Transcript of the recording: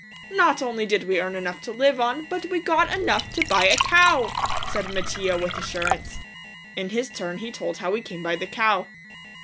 "Not only did we earn enough to live on, but we got enough to buy a cow," said Mattia with assurance. In his turn he told how we came by the cow.